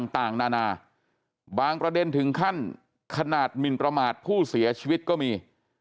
ต่างนานาบางประเด็นถึงขั้นขนาดหมินประมาทผู้เสียชีวิตก็มี